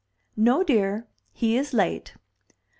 "No, dear. He is late."